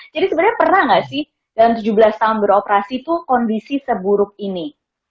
sebenarnya pernah nggak sih dalam tujuh belas tahun beroperasi tuh kondisi seburuk ini